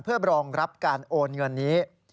เพื่อรองรับการโอนเงินนี้